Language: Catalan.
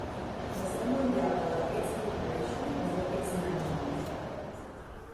La seu mundial de la X-Corporation és la X-Mansion.